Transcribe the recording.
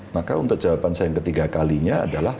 maka untuk jawaban saya yang ketiga kalinya adalah